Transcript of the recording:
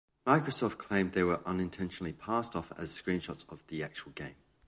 Microsoft claimed they were unintentionally passed off as screenshots of the actual game.